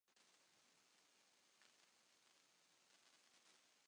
فردة من لآلئ